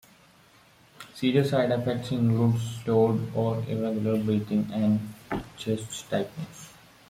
Serious side effects include slowed or irregular breathing and chest tightness.